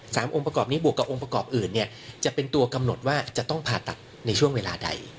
องค์ประกอบนี้บวกกับองค์ประกอบอื่นเนี่ยจะเป็นตัวกำหนดว่าจะต้องผ่าตัดในช่วงเวลาใด